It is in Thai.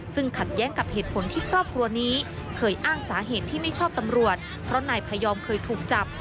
ซึ่งขัดแย้งกับเหตุผลที่ครอบครัวนี้เคยอ้างสาเหตุที่ไม่ชอบตำรวจเพราะนายพยอมเคยถูกจับ